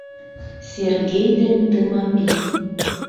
Сергей ден Тымапи.